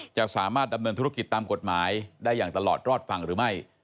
จะสามารถดำเนินธุรกิจตามกฎหมายได้อย่างตลอดรอดฟังหรือไม่